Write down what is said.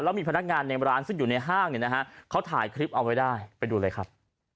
แล้วมีพนักงานในร้านซึ่งอยู่ในห้างเนี่ยนะฮะเขาถ่ายคลิปเอาไว้ได้ไปดูเลยครับ